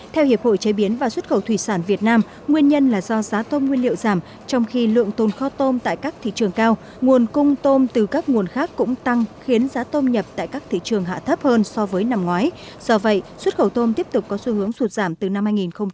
theo hiệp hội chế biến và xuất khẩu thủy sản việt nam nguyên nhân là do giá tôm nguyên liệu giảm trong khi lượng tồn kho tôm tại các thị trường cao nguồn cung tôm từ các nguồn khác cũng tăng khiến giá tôm nhập tại các thị trường hạ thấp hơn so với năm ngoái do vậy xuất khẩu tôm tiếp tục có xu hướng sụt giảm từ năm hai nghìn một mươi